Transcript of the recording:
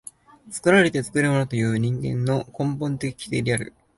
作られて作るものというのが人間の根本的規定である。